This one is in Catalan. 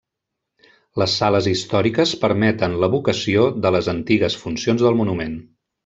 Les sales històriques permeten l'evocació de les antigues funcions del monument.